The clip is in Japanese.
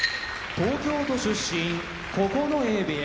東京都出身追手風部屋